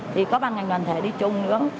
thì có ban ngành đoàn thể đi chung nữa